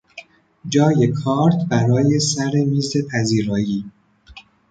جای کارد برای سر میز پذیرایی